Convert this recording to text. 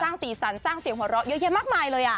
สร้างสีสันสร้างเสียงหัวเราะเยอะมากมายเลยอ่ะ